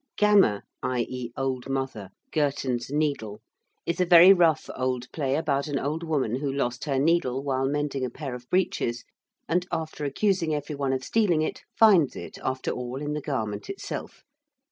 ~Gammer (i.e. Old Mother) Gurton's Needle~ is a very rough old play about an old woman who lost her needle while mending a pair of breeches, and, after accusing everyone of stealing it, finds it after all in the garment itself.